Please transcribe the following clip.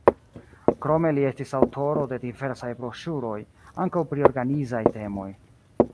Krome li estis aŭtoro de diversaj broŝuroj, ankaŭ pri organizaj temoj.